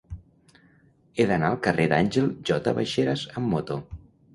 He d'anar al carrer d'Àngel J. Baixeras amb moto.